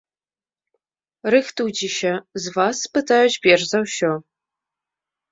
Рыхтуйцеся, з вас спытаюць перш за ўсё.